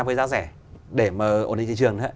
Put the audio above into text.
với giá rẻ để mà ổn định thị trường